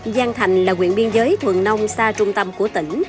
giang thành là nguyện biên giới thuận nông xa trung tâm của tỉnh